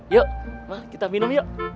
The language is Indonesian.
yuk kita minum yuk